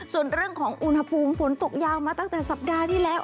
ส่วนเรื่องของอุณหภูมิฝนตกยาวมาตั้งแต่สัปดาห์ที่แล้ว